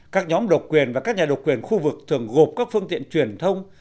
các nhóm độc quyền và các nhà độc quyền khu vực thường gộp các phương tiện truyền thông